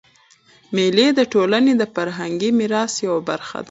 مېلې د ټولني د فرهنګي میراث یوه برخه ده.